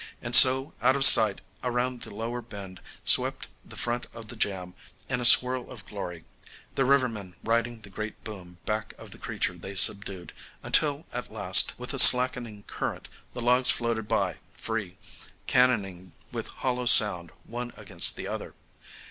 And so, out of sight around the lower bend swept the front of the jam in a swirl of glory, the rivermen riding the great boom back of the creature they subdued, until at last, with the slackening current, the logs floated by free, cannoning with hollow sound one against the other.